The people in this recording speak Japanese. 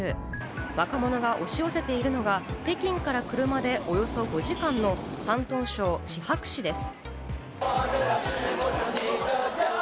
若者が押し寄せているのが北京から車でおよそ５時間の山東省シ博市です。